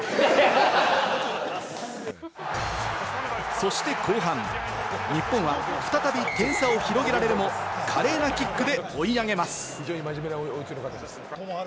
そして後半、日本は再び点差を広げられるも、華麗なキックで追い上げます。